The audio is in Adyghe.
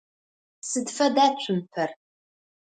Sıd feda tsumper?